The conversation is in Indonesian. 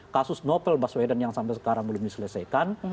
kasus novel baswedan yang sampai sekarang belum diselesaikan